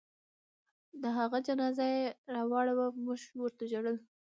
د هغه جنازه چې يې راوړه موږ ورته ژړل.